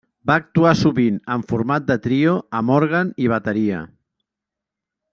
Va actuar sovint en format de trio amb òrgan i bateria.